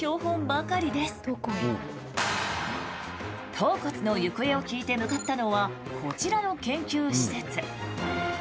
頭骨の行方を聞いて向かったのはこちらの研究施設。